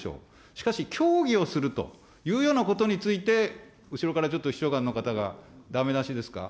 しかし協議をするというようなことについて、後ろからちょっと秘書官の方がだめだしですか。